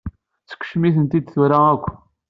Sekcem-iten-id tura akka!